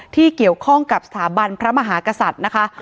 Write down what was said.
ที่เกี่ยวข้องกับสถาบันพระมหากษัตริย์นะคะ